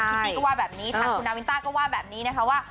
ดีก็ว่าแบบนี้ทางคุณนาวินต้าก็ว่าแบบนี้นะคะว่า